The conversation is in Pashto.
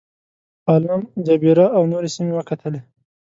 پالم جبیره او نورې سیمې وکتلې.